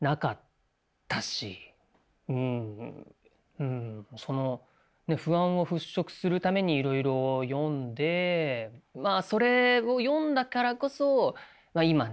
うんその不安を払拭するためにいろいろ読んでまあそれを読んだからこそ今ね